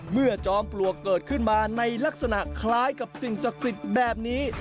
จอมปลวกเกิดขึ้นมาในลักษณะคล้ายกับสิ่งศักดิ์สิทธิ์แบบนี้